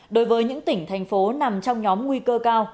đối với những tỉnh thành phố nằm trong nhóm nguy cơ cao